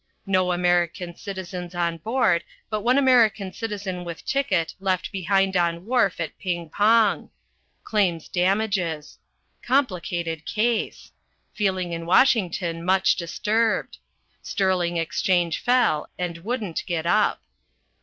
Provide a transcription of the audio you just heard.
No American citizens on board, but one American citizen with ticket left behind on wharf at Ping Pong. Claims damages. Complicated case. Feeling in Washington much disturbed. Sterling exchange fell and wouldn't get up.